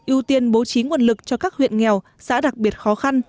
ưu tiên bố trí nguồn lực cho các huyện nghèo xã đặc biệt khó khăn